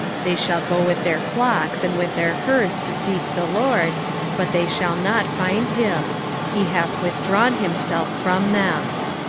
5:6 They shall go with their flocks and with their herds to seek the LORD; but they shall not find him; he hath withdrawn himself from them.